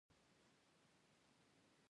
د دې اوبه زموږ وینه ده